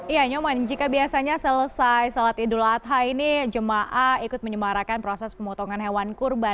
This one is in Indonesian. iya nyoman jika biasanya selesai sholat idul adha ini jemaah ikut menyemarakan proses pemotongan hewan kurban